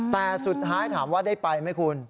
แต่สุดท้ายถามว่าได้ไปไหมคุณ